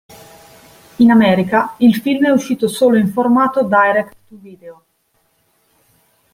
In America il film è uscito solo in formato direct-to-video.